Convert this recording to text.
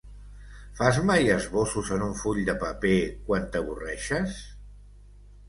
Fas mai esbossos en un full de paper quan t'avorreixes?